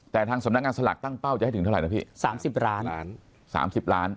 แต่ทางสำนักงานสลากตั้งเป้าจะให้ถึงเท่าไหร่นะพี่สามสิบล้านสามล้านสามสิบล้าน